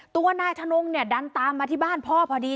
ตัวนายทนงเนี่ยดันตามมาที่บ้านพ่อพอดี